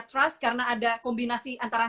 trust karena ada kombinasi antara